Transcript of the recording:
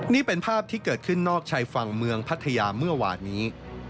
นี่เป็นภาพที่เกิดขึ้นนอกชายฝั่งเมืองพัทยาเมื่อวานนี้